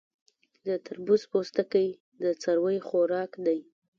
د تربوز پوستکی د څارویو خوراک دی.